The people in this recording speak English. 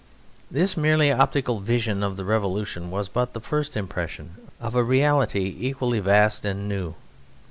This merely optical vision of the revolution was but the first impression of a reality equally vast and new.